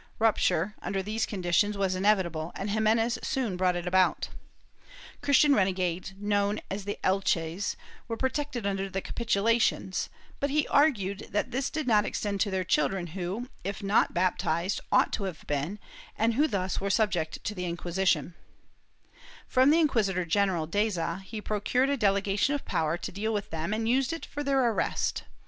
Rupture, under these conditions was inevitable and Ximenes soon brought it about. Christian renegades, known as etches, were protected under the capitulations, but he argued that this did not extend to their children who, if not baptized, ought to have been, and who thus were subject to the Inquisition, From Inquisitor general Deza he procured a delegation of power to deal with them and used it for their arrest.